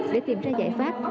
để tìm ra giải pháp